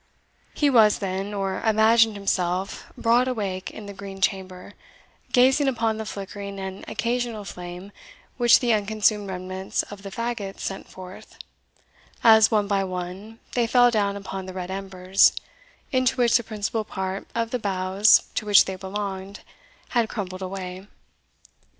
He was, then, or imagined himself, broad awake in the Green Chamber, gazing upon the flickering and occasional flame which the unconsumed remnants of the faggots sent forth, as, one by one, they fell down upon the red embers, into which the principal part of the boughs to which they belonged had crumbled away.